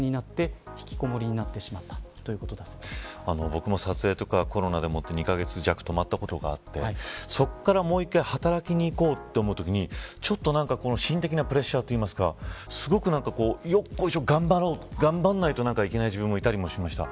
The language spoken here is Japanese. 僕も撮影とかコロナでもって２カ月弱止まったことがあってそこからもう１回働きにいこうと思ったときにちょっと心的なプレッシャーというかよっこいしょ頑張らないといけない自分もいたりしました。